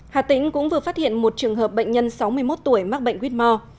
hà tĩnh cũng vừa phát hiện một trường hợp bệnh nhân sáu mươi một tuổi mắc bệnh whmore